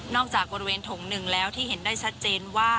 นอกจากบริเวณถง๑แล้วที่เห็นได้ชัดเจนว่า